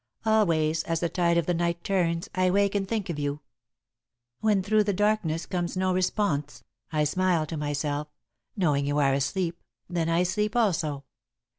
"Always as the tide of the night turns, I wake and think of you. When through the darkness comes no response, I smile to myself, knowing you are asleep, then I sleep also.